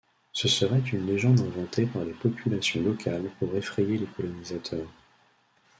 Ce serait une légende inventée par les populations locales pour effrayer les colonisateurs.